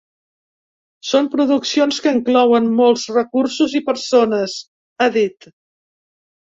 “Són produccions que inclouen molts recursos i persones”, ha dit.